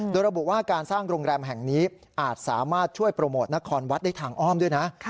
โดยระบุว่าการสร้างโรงแรมแห่งนี้อาจสามารถช่วยโปรโมทนครวัดได้ทางอ้อมด้วยนะ